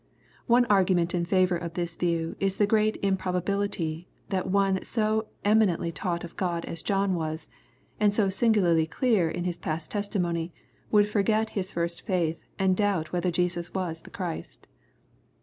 One argu ment in favor of this view is the great improbability that one so eminently taught of God as John waSj and so singularly claar in his past testimony, would forget his first faith and doubt whether Jesus was the Christ.